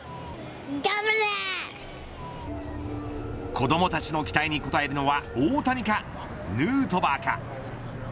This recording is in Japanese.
子どもたちの期待に応えるのは大谷かヌートバーか。